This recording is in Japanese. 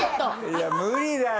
いや無理だよ。